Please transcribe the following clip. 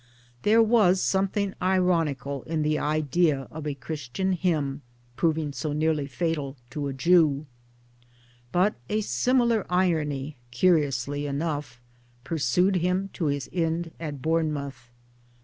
There was something ironical in the idea of a Christian hymn proving so nearly fatal to a Jew ; but a similar irony, curiously enough, pursued him to his end at Bournemouth.